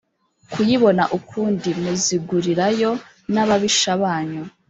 kuyibona ukundi muzigurirayo n ababisha banyu